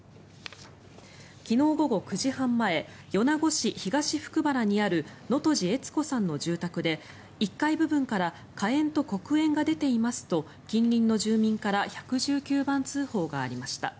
昨日午後９時半前米子市東福原にある能登路悦子さんの住宅で１階部分から火炎と黒煙が出ていますと近隣の住民から１１９番通報がありました。